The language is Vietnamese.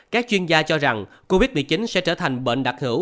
các chuyên gia cho rằng covid một mươi chín sẽ trở thành bệnh đặc hữu